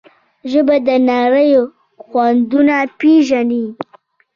ژبه د نړۍ خوندونه پېژني.